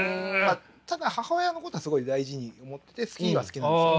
ただ母親のことはすごい大事に思ってて好きは好きなんですよ。